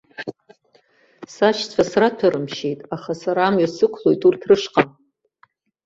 Сашьцәа сраҭәарымшьеит, аха сара амҩа сықәлоит урҭ рышҟа.